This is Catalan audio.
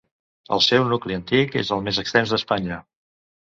El seu nucli antic és el més extens d'Espanya.